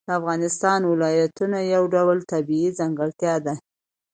د افغانستان ولایتونه یو ډول طبیعي ځانګړتیا ده.